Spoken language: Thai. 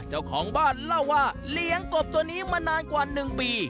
เจ้าของบ้านเล่าว่าเลี้ยงกบตัวนี้มานานกว่า๑ปี